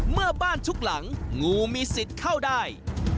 เมื่อบ้านทุกหลังงูมีสิทธิ์เข้าได้